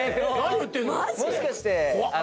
もしかして。